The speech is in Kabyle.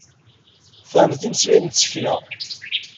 Fernet imeslayen n tsekla.